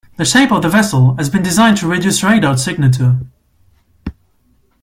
The shape of the vessel has been designed to reduce radar signature.